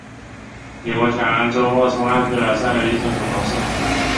李国强周末冲浪去了，晒得一身古铜色。